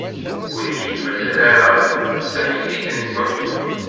Ur iyi-d-mazal ara d tamidit-nwent.